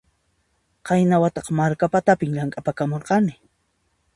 Qayna wataqa Markapatapin llamk'apakamurani